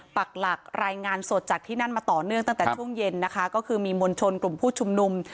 ปักหลักรายงานสดจากที่นั่นมาต่อเนื่องตั้งแต่ช่วงเย็นนะคะก็คือมีมวลชนกลุ่มผู้ชุมนุม